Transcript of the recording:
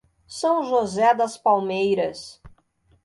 São José das Palmeiras